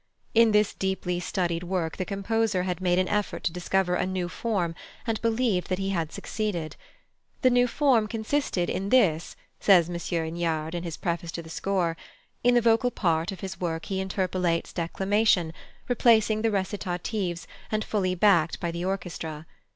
In this deeply studied work the composer had made an effort to discover a new form, and believed that he had succeeded. The new form consisted in this, says M. Hignard in his preface to the score: in the vocal part of his work he interpolates declamation, replacing the recitatives, and fully backed by the orchestra.